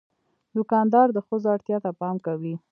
دوکاندار د ښځو اړتیا ته پام کوي.